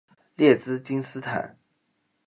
列兹金斯坦。